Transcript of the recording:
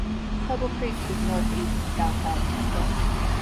Pebble Creek is northeast of downtown Tampa.